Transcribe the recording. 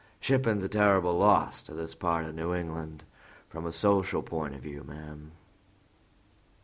Shipping's a terrible loss to this part o' New England from a social point o' view, ma'am."